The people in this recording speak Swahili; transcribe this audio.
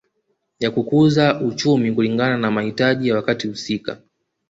Ya kuukuza uchumi kulingana na mahitaji ya wakati husika